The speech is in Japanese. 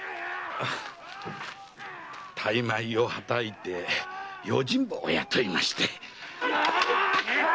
・大枚をはたいて用心棒を雇いまして。